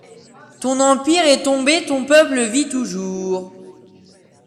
Ton empire est tombé, ton peuple vit toujours.